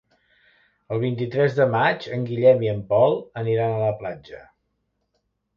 El vint-i-tres de maig en Guillem i en Pol aniran a la platja.